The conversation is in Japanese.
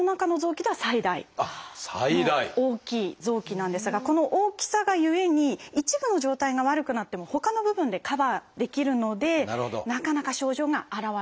あっ最大！の大きい臓器なんですがこの大きさがゆえに一部の状態が悪くなってもほかの部分でカバーできるのでなかなか症状が現れにくい。